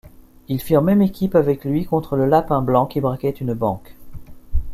Ils firent même équipe avec lui contre le Lapin Blanc qui braquait une banque.